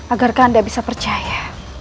agar kanda bisa percaya